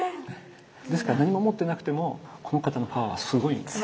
ですから何も持ってなくてもこの方のパワーはすごいんです。